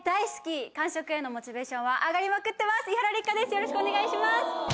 よろしくお願いします！